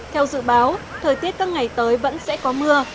theo dự báo thời tiết các ngày tới vẫn sẽ có mưa